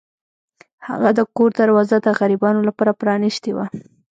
هغه د کور دروازه د غریبانو لپاره پرانیستې وه.